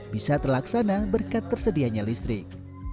bisa terlaksana berkat tersedianya listrik